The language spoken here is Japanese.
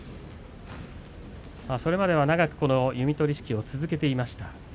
それまでは長く弓取式を続けていました。